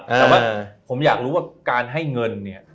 แต่ว่าผมอยากรู้ว่าการให้เงินเนี่ย